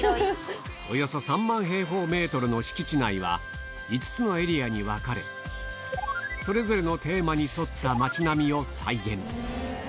およそ３万平方メートルの敷地内はそれぞれのテーマに沿った街並みを再現